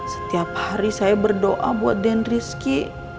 setiap hari saya berdoa buat dan rizky